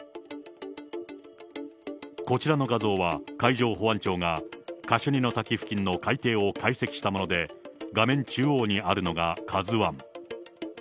こちらの画像は、海上保安庁がカシュニの滝付近の海底を解析したもので、画面中央にあるのがカズワン。